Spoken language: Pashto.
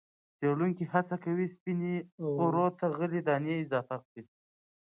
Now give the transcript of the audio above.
څېړونکي هڅه کوي سپینې اوړو ته غلې- دانه اضافه کړي.